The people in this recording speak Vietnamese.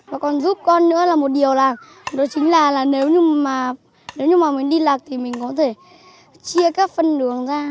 và còn giúp con nữa là một điều là đó chính là nếu như mà mình đi lạc thì mình có thể chia các phân đường ra